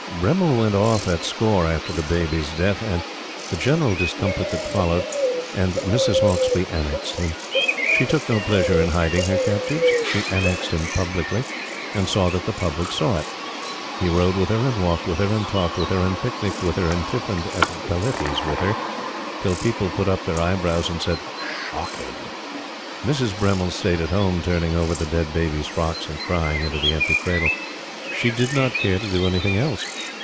Bremmil went off at score after the baby's death and the general discomfort that followed, and Mrs. Hauksbee annexed him. She took no pleasure in hiding her captives. She annexed him publicly, and saw that the public saw it. He rode with her, and walked with her, and talked with her, and picnicked with her, and tiffined at Peliti's with her, till people put up their eyebrows and said: "Shocking!" Mrs. Bremmil stayed at home turning over the dead baby's frocks and crying into the empty cradle. She did not care to do anything else.